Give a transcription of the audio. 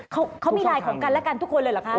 เขามีไลน์ของกันและกันทุกคนเลยเหรอคะ